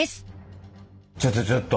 ちょっとちょっと！